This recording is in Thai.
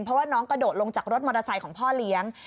เพราะว่าน้องกระโดดลงจากรถมอเตอร์ไซค์ของพ่อเลี้ยง